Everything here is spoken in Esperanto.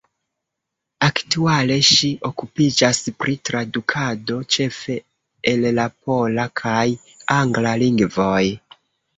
Aktuale ŝi okupiĝas pri tradukado, ĉefe el la pola kaj angla lingvoj.